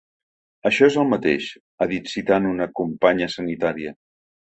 Això és el mateix, ha dit citant una companya sanitària.